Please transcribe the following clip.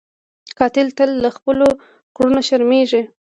قاتل تل له خپلو کړنو شرمېږي